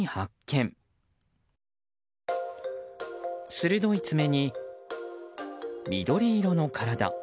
鋭い爪に緑色の体。